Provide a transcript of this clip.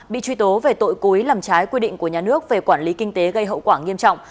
bị truy tố về tội cố ý làm trái quy định của nhà nước về quản lý kinh tế gây hậu quả nghiêm trọng